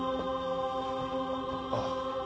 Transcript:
ああ。